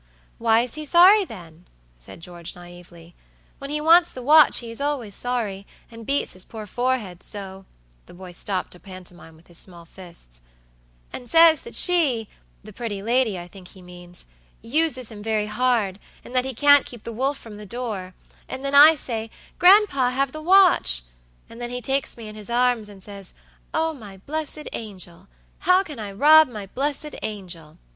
"Why is he sorry, then?" asked Georgey, naively; "when he wants the watch he is always sorry, and beats his poor forehead so"the boy stopped to pantomime with his small fists"and says that shethe pretty lady, I think he meansuses him very hard, and that he can't keep the wolf from the door; and then I say, 'Gran'pa, have the watch;' and then he takes me in his arms, and says, 'Oh, my blessed angel! how can I rob my blessed angel?'